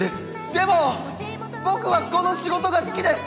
でも！僕はこの仕事が好きです！